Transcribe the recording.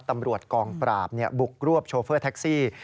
ตำรวจกองปราบบุกรวบโชเฟอร์แท็กซี่